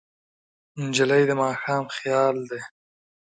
نجلۍ د ماښام خیال ده.